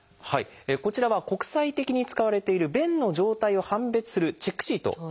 こちらは国際的に使われている便の状態を判別するチェックシートです。